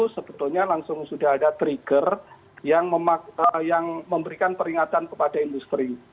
sebetulnya langsung sudah ada trigger yang memberikan peringatan kepada industri